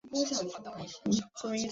门内有高台甬路通往干清宫月台。